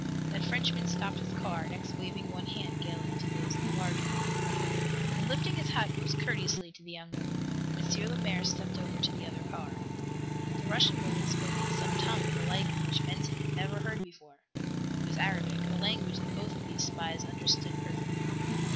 That Frenchman stopped his car, next waving one hand gayly to those in the larger car. Then, lifting his hat most courteously to the young woman, M. Lemaire stepped over to the other car. The Russian woman spoke in some tongue, the like of which Benson had never heard before. It was Arabic, a language that both of these spies understood perfectly.